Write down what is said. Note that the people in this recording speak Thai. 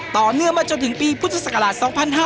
ต่อเนื่องมาจนถึงปีพุทธศักราช๒๕๕๙